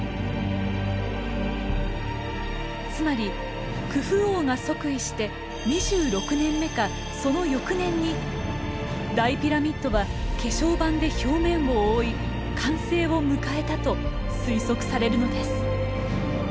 つまりクフ王が即位して２６年目かその翌年に大ピラミッドは化粧板で表面を覆い完成を迎えたと推測されるのです。